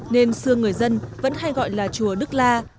nên xưa người dân vẫn hay gọi là chùa đức la